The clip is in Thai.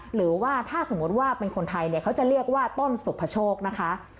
หรือว่าถ้าสมมุติว่าเป็นคนไทยเนี่ยเขาจะเรียกว่าต้นสุภโชคนะคะ